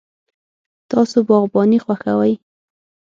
تاسو باغباني خوښوئ؟